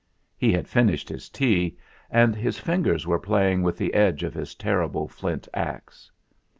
He had finished his tea, and his fingers were playing with the edge of his terrible flint axe.